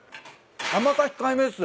甘さ控えめっす。